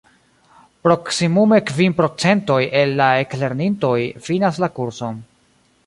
Proksimume kvin procentoj el la eklernintoj finas la kurson.